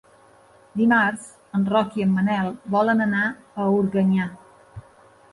Dimarts en Roc i en Manel volen anar a Organyà.